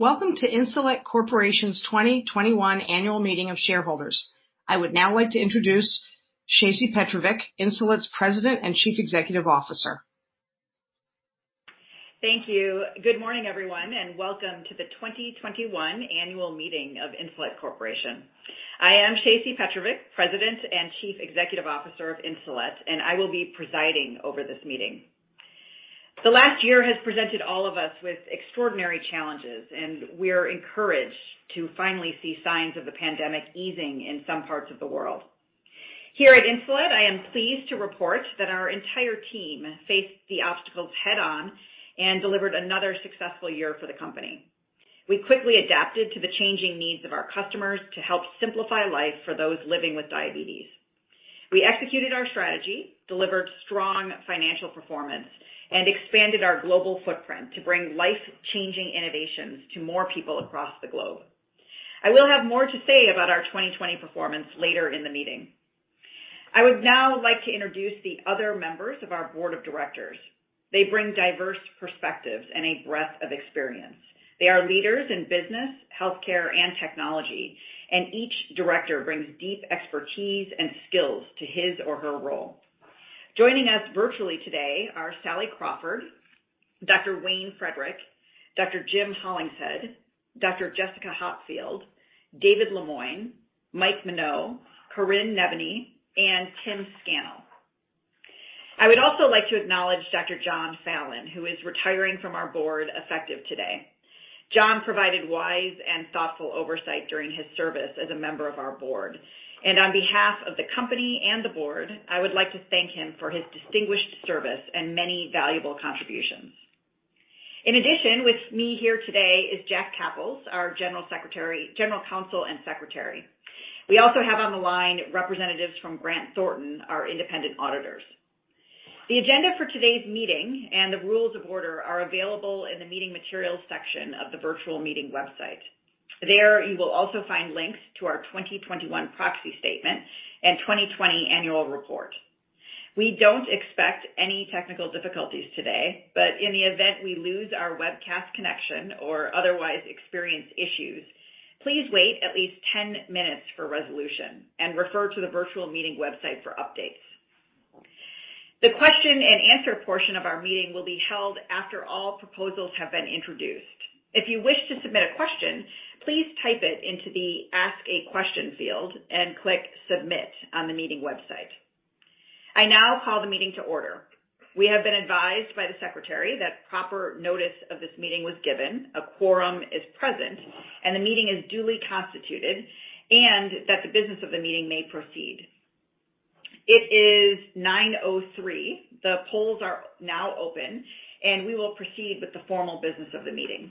Welcome to Insulet Corporation's 2021 Annual Meeting of Shareholders. I would now like to introduce Shacey Petrovic, Insulet's President and Chief Executive Officer. Thank you. Good morning, everyone, and welcome to the 2021 Annual Meeting of Insulet Corporation. I am Shacey Petrovic, President and Chief Executive Officer of Insulet, and I will be presiding over this meeting. The last year has presented all of us with extraordinary challenges, and we're encouraged to finally see signs of the pandemic easing in some parts of the world. Here at Insulet, I am pleased to report that our entire team faced the obstacles head-on and delivered another successful year for the company. We quickly adapted to the changing needs of our customers to help simplify life for those living with diabetes. We executed our strategy, delivered strong financial performance, and expanded our global footprint to bring life-changing innovations to more people across the globe. I will have more to say about our 2020 performance later in the meeting. I would now like to introduce the other members of our Board of Directors. They bring diverse perspectives and a breadth of experience. They are leaders in business, healthcare, and technology, and each director brings deep expertise and skills to his or her role. Joining us virtually today are Sally Crawford, Dr. Wayne Frederick, Dr. Jim Hollingshead, Dr. Jessica Hopfield, David Lemoine, Michael Minogue, Corinne Nevinny, and Tim Scannell. I would also like to acknowledge Dr. John Fallon, who is retiring from our board effective today. John provided wise and thoughtful oversight during his service as a member of our board, and on behalf of the company and the board, I would like to thank him for his distinguished service and many valuable contributions. In addition, with me here today is Jack Kapples, our General Counsel and Secretary. We also have on the line representatives from Grant Thornton, our independent auditors. The agenda for today's meeting and the rules of order are available in the meeting materials section of the virtual meeting website. There you will also find links to our 2021 proxy statement and 2020 annual report. We don't expect any technical difficulties today, but in the event we lose our webcast connection or otherwise experience issues, please wait at least 10 minutes for resolution and refer to the virtual meeting website for updates. The question-and-answer portion of our meeting will be held after all proposals have been introduced. If you wish to submit a question, please type it into the Ask a Question field and click Submit on the meeting website. I now call the meeting to order. We have been advised by the Secretary that proper notice of this meeting was given, a quorum is present, and the meeting is duly constituted, and that the business of the meeting may proceed. It is 9:03 A.M. The polls are now open, and we will proceed with the formal business of the meeting.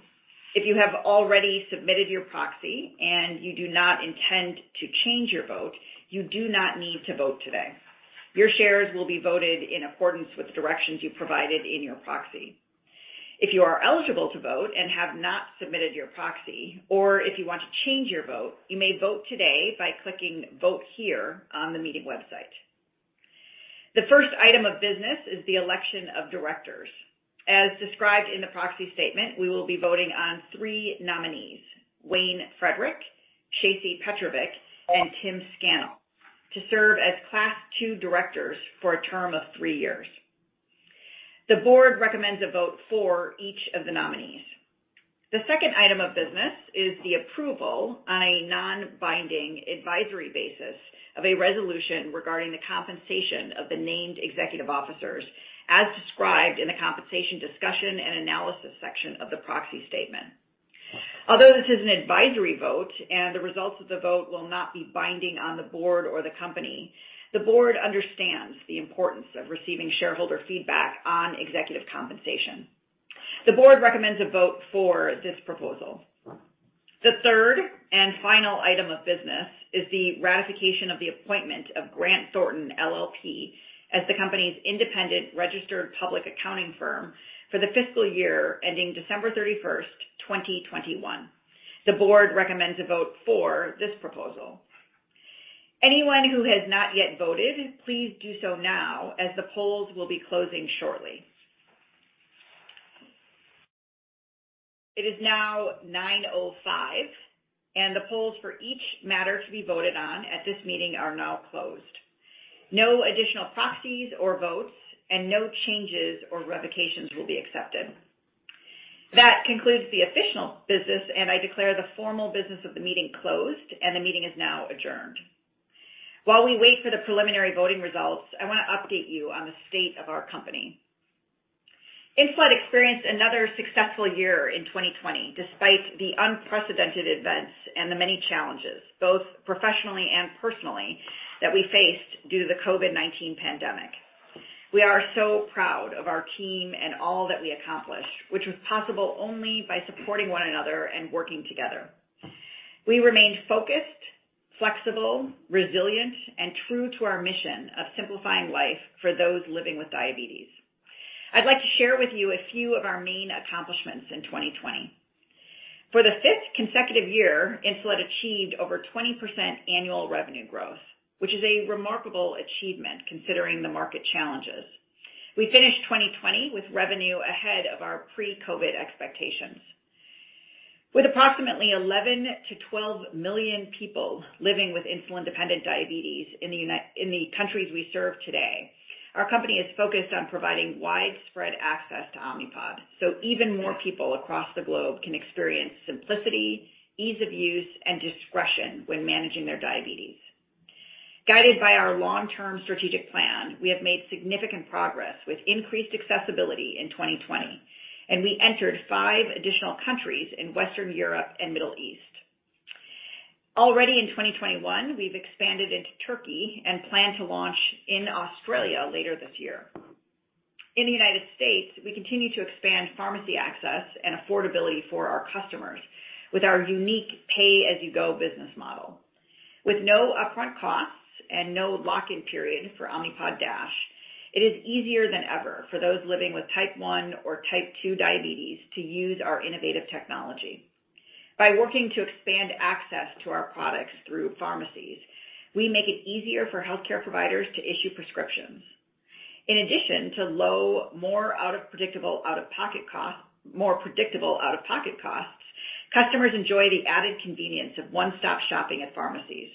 If you have already submitted your proxy and you do not intend to change your vote, you do not need to vote today. Your shares will be voted in accordance with the directions you provided in your proxy. If you are eligible to vote and have not submitted your proxy, or if you want to change your vote, you may vote today by clicking Vote Here on the meeting website. The first item of business is the election of directors. As described in the proxy statement, we will be voting on three nominees: Wayne Frederick, Shacey Petrovic, and Tim Scannell to serve as Class II directors for a term of three years. The board recommends a vote for each of the nominees. The second item of business is the approval on a non-binding advisory basis of a resolution regarding the compensation of the named executive officers, as described in the compensation discussion and analysis section of the proxy statement. Although this is an advisory vote and the results of the vote will not be binding on the board or the company, the board understands the importance of receiving shareholder feedback on executive compensation. The board recommends a vote for this proposal. The third and final item of business is the ratification of the appointment of Grant Thornton LLP as the company's independent registered public accounting firm for the fiscal year ending December 31st, 2021. The board recommends a vote for this proposal. Anyone who has not yet voted, please do so now as the polls will be closing shortly. It is now 9:05 A.M., and the polls for each matter to be voted on at this meeting are now closed. No additional proxies or votes and no changes or revocations will be accepted. That concludes the official business, and I declare the formal business of the meeting closed, and the meeting is now adjourned. While we wait for the preliminary voting results, I want to update you on the state of our company. Insulet experienced another successful year in 2020 despite the unprecedented events and the many challenges, both professionally and personally, that we faced due to the COVID-19 pandemic. We are so proud of our team and all that we accomplished, which was possible only by supporting one another and working together. We remained focused, flexible, resilient, and true to our mission of simplifying life for those living with diabetes. I'd like to share with you a few of our main accomplishments in 2020. For the fifth consecutive year, Insulet achieved over 20% annual revenue growth, which is a remarkable achievement considering the market challenges. We finished 2020 with revenue ahead of our pre-COVID expectations. With approximately 11 million-12 million people living with insulin-dependent diabetes in the countries we serve today, our company is focused on providing widespread access to Omnipod so even more people across the globe can experience simplicity, ease of use, and discretion when managing their diabetes. Guided by our long-term strategic plan, we have made significant progress with increased accessibility in 2020, and we entered five additional countries in Western Europe and the Middle East. Already in 2021, we've expanded into Turkey and plan to launch in Australia later this year. In the United States, we continue to expand pharmacy access and affordability for our customers with our unique pay-as-you-go business model. With no upfront costs and no lock-in period for Omnipod DASH, it is easier than ever for those living with type 1 or type 2 diabetes to use our innovative technology. By working to expand access to our products through pharmacies, we make it easier for healthcare providers to issue prescriptions. In addition to low, more predictable out-of-pocket costs, customers enjoy the added convenience of one-stop shopping at pharmacies.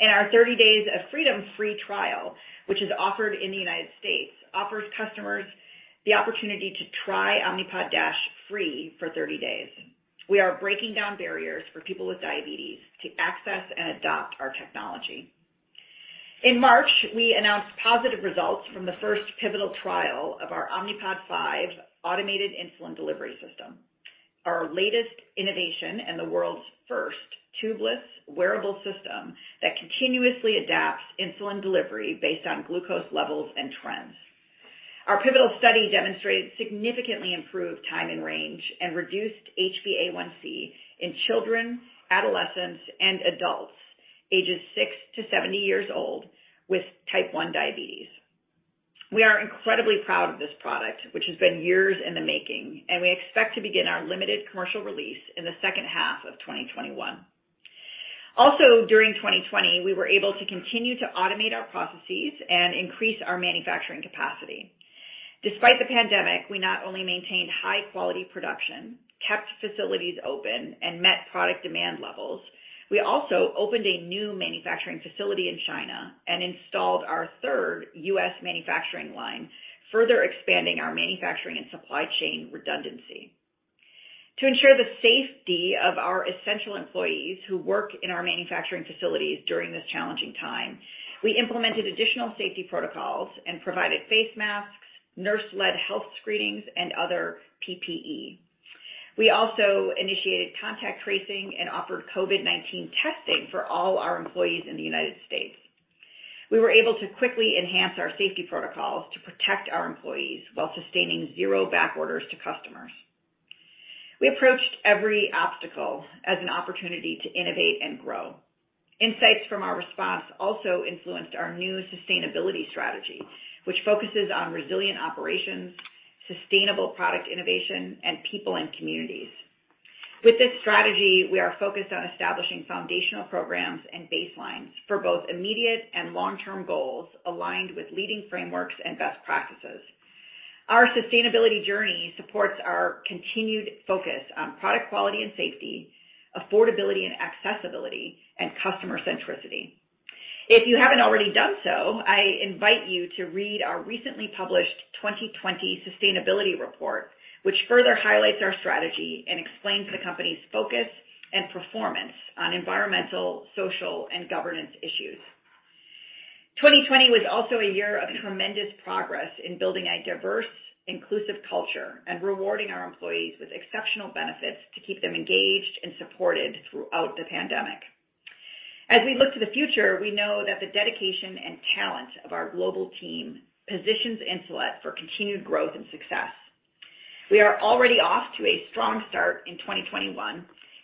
In our 30 Days of Freedom free trial, which is offered in the United States, it offers customers the opportunity to try Omnipod DASH free for 30 days. We are breaking down barriers for people with diabetes to access and adopt our technology. In March, we announced positive results from the first pivotal trial of our Omnipod 5 automated insulin delivery system, our latest innovation and the world's first tubeless wearable system that continuously adapts insulin delivery based on glucose levels and trends. Our pivotal study demonstrated significantly improved Time in Range and reduced HbA1c in children, adolescents, and adults ages six to 70 years old with Type 1 diabetes. We are incredibly proud of this product, which has been years in the making, and we expect to begin our limited commercial release in the second half of 2021. Also, during 2020, we were able to continue to automate our processes and increase our manufacturing capacity. Despite the pandemic, we not only maintained high-quality production, kept facilities open, and met product demand levels, we also opened a new manufacturing facility in China and installed our third U.S. manufacturing line, further expanding our manufacturing and supply chain redundancy. To ensure the safety of our essential employees who work in our manufacturing facilities during this challenging time, we implemented additional safety protocols and provided face masks, nurse-led health screenings, and other PPE. We also initiated contact tracing and offered COVID-19 testing for all our employees in the United States. We were able to quickly enhance our safety protocols to protect our employees while sustaining zero backorders to customers. We approached every obstacle as an opportunity to innovate and grow. Insights from our response also influenced our new sustainability strategy, which focuses on resilient operations, sustainable product innovation, and people and communities. With this strategy, we are focused on establishing foundational programs and baselines for both immediate and long-term goals aligned with leading frameworks and best practices. Our sustainability journey supports our continued focus on product quality and safety, affordability and accessibility, and customer centricity. If you haven't already done so, I invite you to read our recently published 2020 Sustainability Report, which further highlights our strategy and explains the company's focus and performance on environmental, social, and governance issues. 2020 was also a year of tremendous progress in building a diverse, inclusive culture and rewarding our employees with exceptional benefits to keep them engaged and supported throughout the pandemic. As we look to the future, we know that the dedication and talent of our global team positions Insulet for continued growth and success. We are already off to a strong start in 2021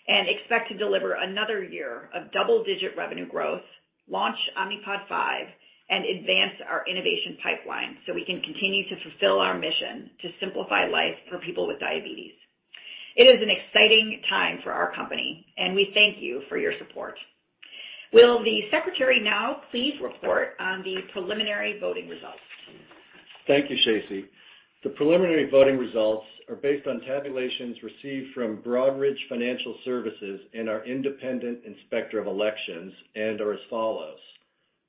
and expect to deliver another year of double-digit revenue growth, launch Omnipod 5, and advance our innovation pipeline so we can continue to fulfill our mission to simplify life for people with diabetes. It is an exciting time for our company, and we thank you for your support. Will the Secretary now please report on the preliminary voting results? Thank you, Shacey. The preliminary voting results are based on tabulations received from Broadridge Financial Services and our independent inspector of elections and are as follows.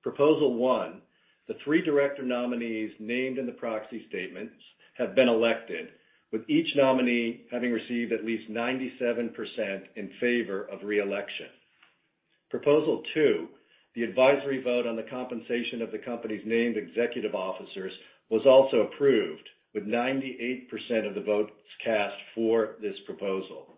Proposal 1: The three director nominees named in the proxy statements have been elected, with each nominee having received at least 97% in favor of reelection. Proposal 2: The advisory vote on the compensation of the company's named executive officers was also approved, with 98% of the votes cast for this proposal.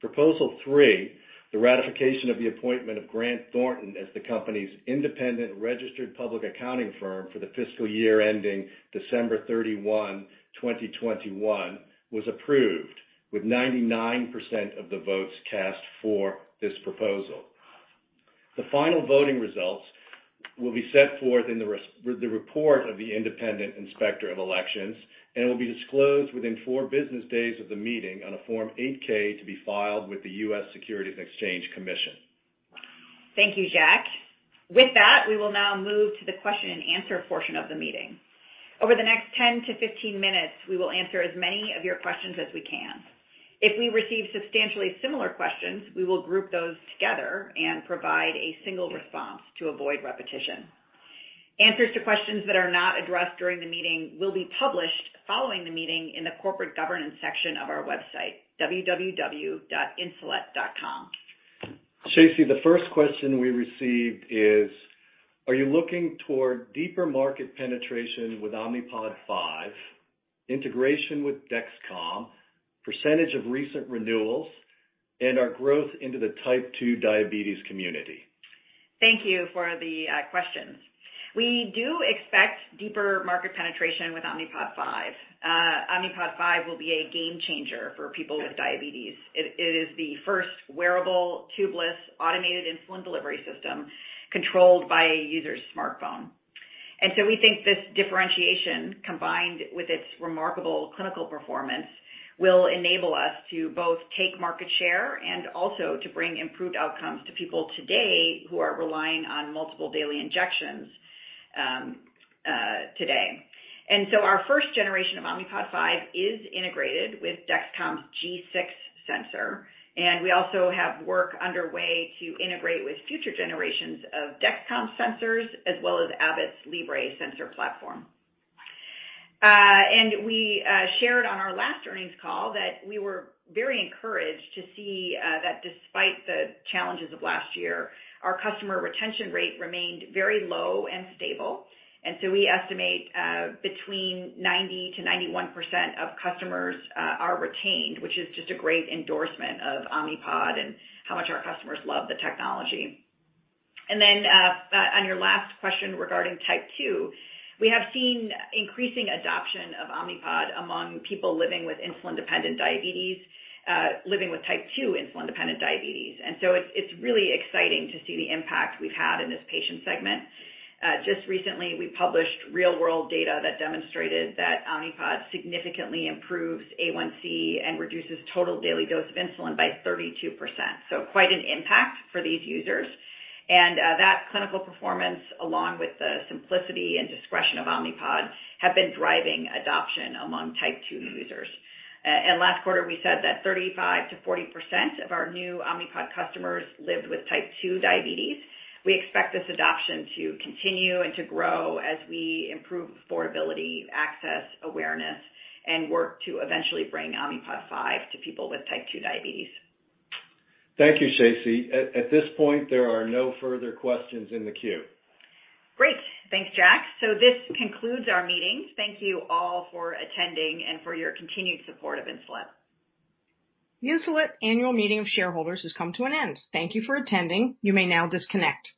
Proposal 3: The ratification of the appointment of Grant Thornton as the company's independent registered public accounting firm for the fiscal year ending December 31, 2021, was approved, with 99% of the votes cast for this proposal. The final voting results will be set forth in the report of the independent inspector of elections and will be disclosed within four business days of the meeting on a Form 8-K to be filed with the U.S. Securities and Exchange Commission. Thank you, Jack. With that, we will now move to the question-and-answer portion of the meeting. Over the next 10 minutes-15 minutes, we will answer as many of your questions as we can. If we receive substantially similar questions, we will group those together and provide a single response to avoid repetition. Answers to questions that are not addressed during the meeting will be published following the meeting in the corporate governance section of our website, www.insulet.com. Shacey, the first question we received is: Are you looking toward deeper market penetration with Omnipod 5, integration with Dexcom, percentage of recent renewals, and our growth into the type 2 diabetes community? Thank you for the questions. We do expect deeper market penetration with Omnipod 5. Omnipod 5 will be a game changer for people with diabetes. It is the first wearable, tubeless, automated insulin delivery system controlled by a user's smartphone. And so we think this differentiation, combined with its remarkable clinical performance, will enable us to both take market share and also to bring improved outcomes to people today who are relying on multiple daily injections today. And so our first generation of Omnipod 5 is integrated with Dexcom's G6 sensor, and we also have work underway to integrate with future generations of Dexcom sensors as well as Abbott's Libre sensor platform. And we shared on our last earnings call that we were very encouraged to see that despite the challenges of last year, our customer retention rate remained very low and stable. And so we estimate between 90%-91% of customers are retained, which is just a great endorsement of Omnipod and how much our customers love the technology. And then on your last question regarding type 2, we have seen increasing adoption of Omnipod among people living with insulin-dependent diabetes, living with type 2 insulin-dependent diabetes. And so it's really exciting to see the impact we've had in this patient segment. Just recently, we published real-world data that demonstrated that Omnipod significantly improves A1C and reduces total daily dose of insulin by 32%. So quite an impact for these users. And that clinical performance, along with the simplicity and discretion of Omnipod, have been driving adoption among type 2 users. And last quarter, we said that 35%-40% of our new Omnipod customers lived with type 2 diabetes. We expect this adoption to continue and to grow as we improve affordability, access, awareness, and work to eventually bring Omnipod 5 to people with type 2 diabetes. Thank you, Shacey.At this point, there are no further questions in the queue. Great. Thanks, Jack. So this concludes our meeting. Thank you all for attending and for your continued support of Insulet. The Insulet Annual Meeting of Shareholders has come to an end. Thank you for attending. You may now disconnect.